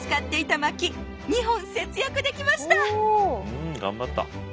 うん頑張った。